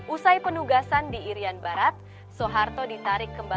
usai penugasan di irian barat suharto ditarik ke markas